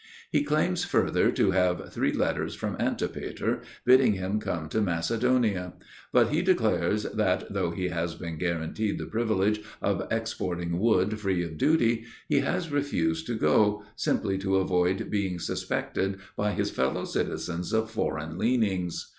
He claims further to have three letters from Antipater bidding him come to Macedonia; but he declares that, though he has been guaranteed the privilege of exporting wood free of duty, he has refused to go, simply to avoid being suspected by his fellow citizens of foreign leanings.